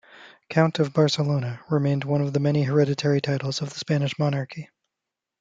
"Count of Barcelona" remained one of the many hereditary titles of the Spanish monarchy.